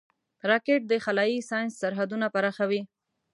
راکټ د خلایي ساینس سرحدونه پراخوي